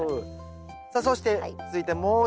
さあそして続いてもう一つ